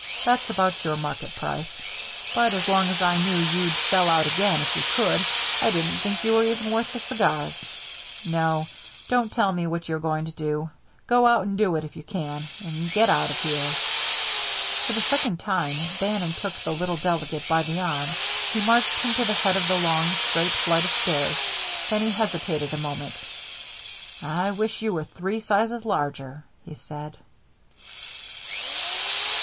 That's about your market price. But as long as I knew you'd sell us out again if you could, I didn't think you were even worth the cigars. No; don't tell me what you're going to do. Go out and do it if you can. And get out of here." For the second time Bannon took the little delegate by the arm. He marched him to the head of the long, straight flight of stairs. Then he hesitated a moment. "I wish you were three sizes larger," he said.